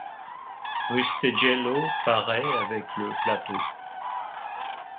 Rustighello paraît avec le plateau.